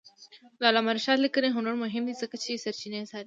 د علامه رشاد لیکنی هنر مهم دی ځکه چې سرچینې څاري.